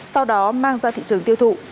sau đó mang ra thị trường tiêu thụ